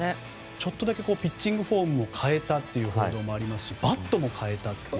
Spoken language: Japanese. ちょっとだけピッチングフォームを変えたという報道もありますしバットも変えたと。